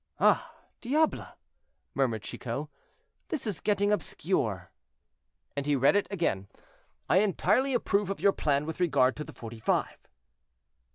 "Ah! diable!" murmured Chicot, "this is getting obscure." And he read it again. "I entirely approve of your plan with regard to the Forty five."